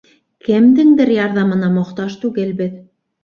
Кемдеңдер ярҙамына мохтаж түгелбеҙ.